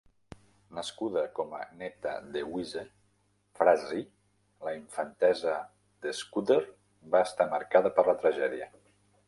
Nascuda com a Netta Deweze Frazee, la infantesa d'Scudder va estar marcada per la tragèdia.